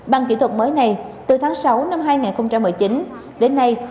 bằng kỹ thuật mới này từ tháng sáu năm hai nghìn một mươi chín đến nay